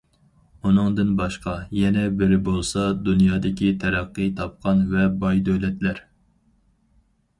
ئۇنىڭدىن باشقا، يەنە بىرى بولسا، دۇنيادىكى تەرەققىي تاپقان ۋە باي دۆلەتلەر.